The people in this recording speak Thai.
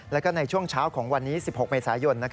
แล้วก็ในช่วงเช้าของวันนี้๑๖เมษายน